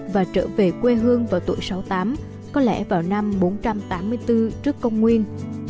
và trở về quê hương vào tuổi sáu mươi tám có lẽ vào năm bốn trăm tám mươi bốn trước công nguyên